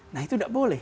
nah itu tidak boleh